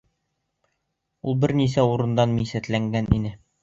Ул бер нисә урындан мисәтләнгән ине.